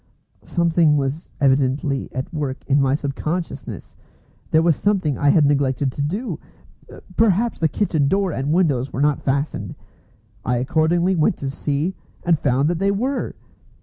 Something was evidently at work in my sub consciousness. There was something I had neglected to do. Perhaps the kitchen door and windows were not fastened. I accordingly went to see, and found that they were!